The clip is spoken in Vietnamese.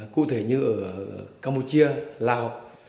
cụ thể như ở campuchia lào